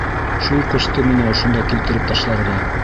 Шул ҡушты мине ошонда килтереп ташларға.